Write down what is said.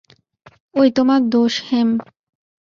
ঐ তোমার দোষ হেম!